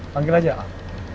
panggil aja al